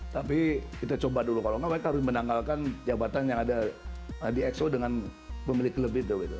tapi kita coba dulu kalau nggak mereka harus menanggalkan jabatan yang ada di exo dengan pemilik klub itu